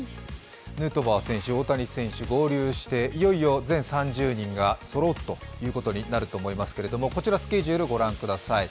ヌートバー選手、大谷選手合流していよいよ全３０人がそろうことになると思いますけれども、こちらスケジュールをご覧ください。